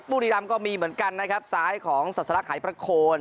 บุรีรำก็มีเหมือนกันนะครับซ้ายของศาสลักหายประโคน